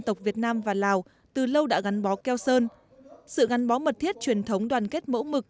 tộc việt nam và lào từ lâu đã gắn bó keo sơn sự gắn bó mật thiết truyền thống đoàn kết mẫu mực